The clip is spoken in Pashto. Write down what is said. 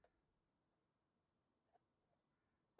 ازادي راډیو د ورزش په اړه د قانوني اصلاحاتو خبر ورکړی.